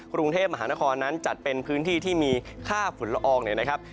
กรุงเทพมหานครนั้นจัดเป็นพื้นที่ที่มีค่าฝุ่นละอองเนี่ยนะครับ